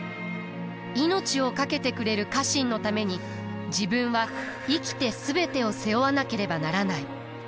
命を懸けてくれる家臣のために自分は生きて全てを背負わなければならない。